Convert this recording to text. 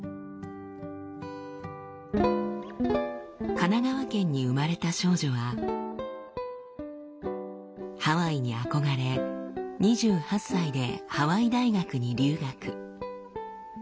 神奈川県に生まれた少女はハワイに憧れ２８歳でハワイ大学に留学。